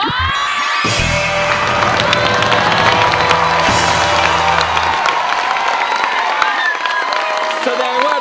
แผนที่๓ที่คุณนุ้ยเลือกออกมานะครับ